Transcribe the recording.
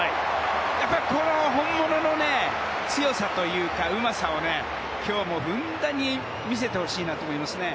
やっぱり、本物の強さというかうまさを今日もふんだんに見せてほしいと思いますね。